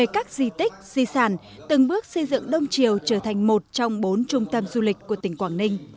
các di tích di sản từng bước xây dựng đông triều trở thành một trong bốn trung tâm du lịch của tỉnh quảng ninh